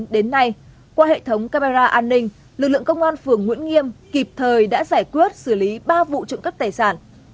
đến nay qua hệ thống camera an ninh lực lượng công an phường nguyễn nghiêm kịp thời đã giải quyết xử lý ba vụ trộm cắp tài sản